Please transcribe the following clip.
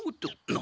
何？